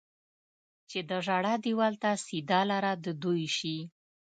چې د ژړا دېوال ته سیده لاره د دوی شي.